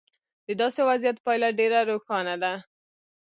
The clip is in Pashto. د داسې وضعیت پایله ډېره روښانه ده.